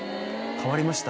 変わりました。